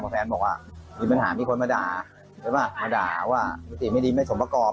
แฟนบอกว่ามีปัญหามีคนมาด่าใช่ป่ะมาด่าว่ามิติไม่ดีไม่สมประกอบ